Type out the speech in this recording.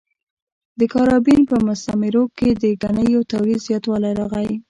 د کارابین په مستعمرو کې د ګنیو تولید زیاتوالی راغی.